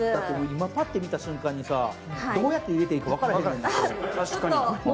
パッと見た瞬間に、どうやって入れていいかわからへん。